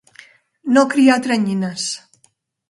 No criar teranyines.